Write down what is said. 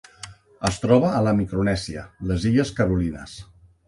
Es troba a la Micronèsia: les illes Carolines.